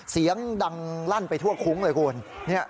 เสียงดังลั่นไปทั่วคุ้งเลยคุณ